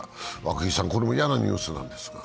涌井さん、これも嫌なニュースなんですが。